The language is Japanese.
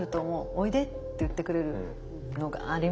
おいでって言ってくれるのがありました。